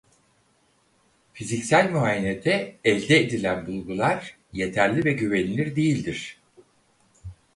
Fiziksel muayenede elde edilen bulgular yeterli ve güvenilir değildir.